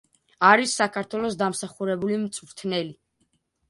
არის საქართველოს დამსახურებული მწვრთნელი.